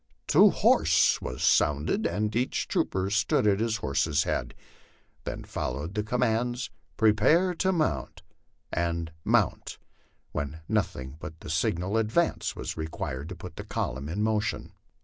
" To horse " was sounded, and each trooper stood at his horse's head. Then followed the commands " Prepare to mount " and " Mount," when nothing but the signal ' Advance " was required to put the column in motion.